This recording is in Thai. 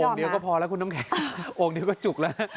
เอาโอ่งเดียวก็พอแล้วคุณน้ำแข็งโอ่งเดียวก็จุกแล้ว